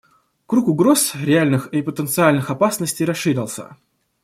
Круг угроз, реальных и потенциальных опасностей расширился.